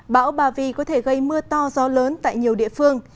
bão ba vy có thể gây mưa to gió lớn tại nhiều địa phương